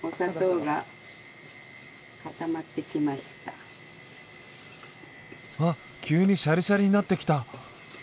うわっ急にシャリシャリになってきた！